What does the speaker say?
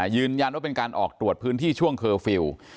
ยืนยันว่าเป็นการออกตรวจพื้นที่ช่วงเคอร์ฟิลล์